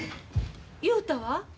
雄太は？